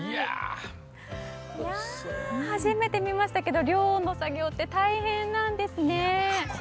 初めて見ましたけど漁の作業って大変なんですね。